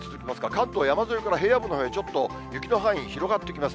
関東、山沿いから平野部のほうへちょっと雪の範囲広がってきます。